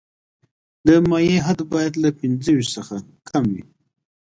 د مایع حد باید له پنځه ویشت څخه کم وي